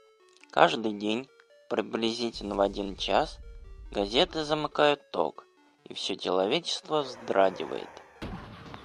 — Каждый день, приблизительно в один час, газеты замыкают ток, и все человечество вздрагивает.